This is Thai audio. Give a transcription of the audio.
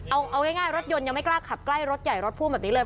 เอาง่ายรถยนต์ยังไม่กล้าขับใกล้รถใหญ่รถพ่วงแบบนี้เลย